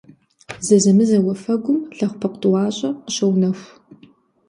Зэзэмызэ уафэгум лэгъупыкъу тӏуащӏэ къыщоунэху.